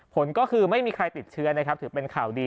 ผลก็คือไม่มีใครติดเชื้อนะครับถือเป็นข่าวดี